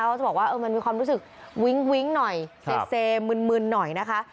เขาจะบอกว่ามันมีความรู้สึกวิ้งวิ้งหน่อยเซมึนหน่อยนะคะ